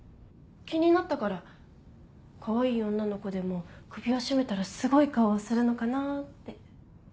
気になったからかわいい女の子でも首を絞めたらすごい顔をするのかなぁって。